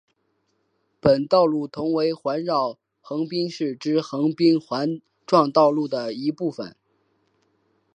本道路同时为环绕横滨市之横滨环状道路的一部份。